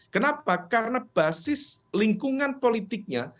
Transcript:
kenapa karena basis lingkungan politiknya